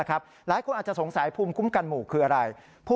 ตอนต่อไป